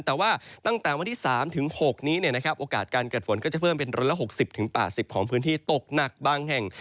แต่ว่าตั้งแต่วันที่๓๖นี้โอกาสการเกิดฝนก็จะเพิ่มเป็น๑๖๐๘๐ของพื้นที่ตกหนักบางแห่ง